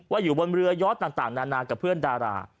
อยู่บนเรือยอดต่างนานากับเพื่อนดารา